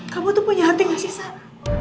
kamu tuh punya hati gak sih sar